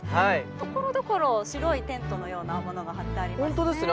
ところどころ白いテントのようなものが張ってありますね。